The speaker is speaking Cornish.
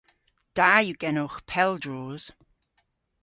Da yw genowgh pel droos.